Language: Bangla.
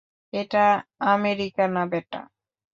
এটা আমেরিকা না, বেটা।